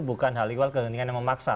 bukan hal ikhwal kekendingan yang memaksa